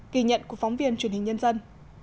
kỳ nhận của phóng viên truyền hình nhân dân